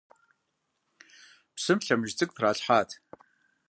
Псым лъэмыж цӏыкӏу тралъхьат.